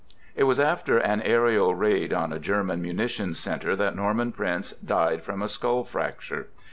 It was after an aerial raid on a German munition center that Norman Prince died from a skull frac ture.